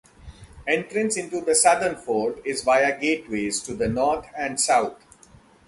Entrance into the southern fort is via gateways to the north and south.